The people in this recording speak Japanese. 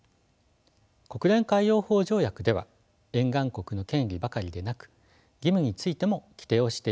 国連海洋法条約では沿岸国の権利ばかりでなく義務についても規定をしています。